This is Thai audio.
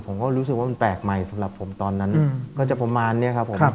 ผมก็รู้สึกว่ามันแปลกใหม่สำหรับผมตอนนั้นก็จะประมาณนี้ครับผม